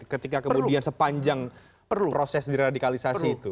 ketika kemudian sepanjang proses diradikalisasi itu